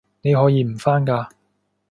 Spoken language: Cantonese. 你可以唔返㗎